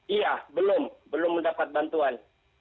iya belum belum mendapat bantuan